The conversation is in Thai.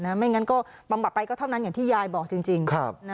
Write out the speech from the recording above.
ไม่งั้นก็บำบัดไปก็เท่านั้นอย่างที่ยายบอกจริง